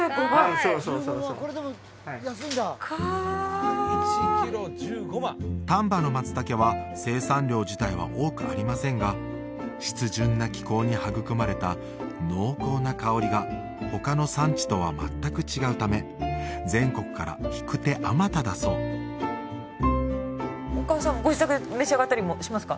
・そうそうそうそうかあ丹波のマツタケは生産量自体は多くありませんが湿潤な気候に育まれた濃厚な香りが他の産地とは全く違うため全国から引く手あまただそうお母さんご自宅で召し上がったりもしますか？